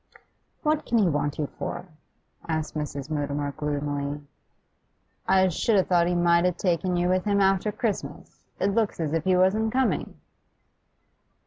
'What can he want you for?' asked Mrs. Mutimer gloomily. 'I sh'd 'a thought he might 'a taken you with him after Christmas. It looks as if he wasn't coming.